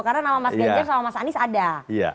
karena nama mas ganjar sama mas anies ada